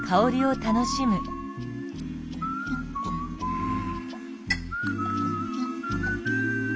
うん。